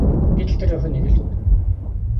Гэтэл тэр охин нэг л өөр.